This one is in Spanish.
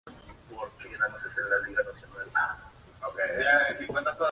Fue oficialmente arrestado tras el aterrizaje del avión en San Francisco.